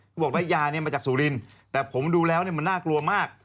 ก็บอกว่ายามาจากสูรินทร์แต่ผมดูแล้วมันน่ากลัวมาก